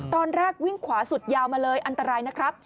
ตอนแรกวิ่งขวาสุดยาวมาเลยอันตรายนะครับ